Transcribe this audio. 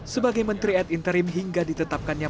sebagai menteri ad interim hingga ditetapkannya